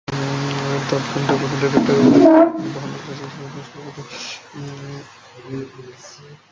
তবে game development ডিরেক্টরের পদে এখনো বহাল আছেন সাবেক বাঁহাতি ওপেনার।